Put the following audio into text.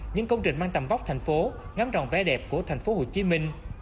những công trình mang tầm vóc thành phố ngắm ròn vẻ đẹp của thành phố hồ chí minh